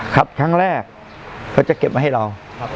ครับครั้งแรกเขาจะเก็บไว้ให้เรา